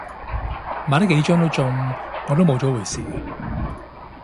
買得幾張都中，我都冇咗回事